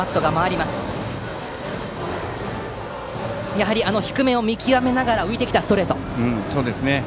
やはり低めを見極めながら浮いてきたストレートですか。